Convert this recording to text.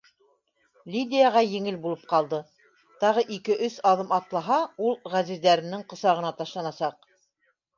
Лидияға еңел булып ҡалды: тағы ике-өс аҙым атлаһа, ул ғәзиздәренең ҡосағына ташланасаҡ.